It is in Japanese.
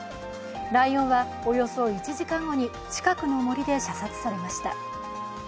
ライオンはおよそ１時間後に近くの森で射殺されました。